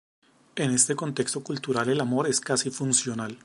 En este contexto cultural el amor es casi funcional.